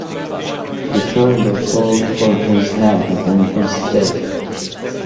Ricardo called for his hat and his stick.